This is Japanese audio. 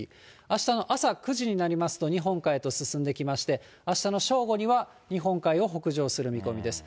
あしたの朝９時になりますと、日本海へと進んできまして、あしたの正午には、日本海を北上する見込みです。